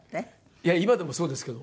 いや今でもそうですけど。